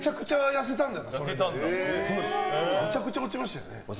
めちゃくちゃ落ちましたよね。